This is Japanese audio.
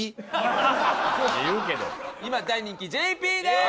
今大人気ＪＰです！